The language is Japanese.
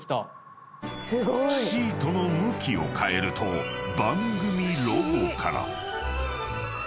［シートの向きを変えると番組ロゴから］